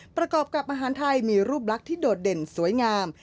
ประกอบกับอาหารไทยมีรูปลักษณ์ที่โดดเด่นสวยงาม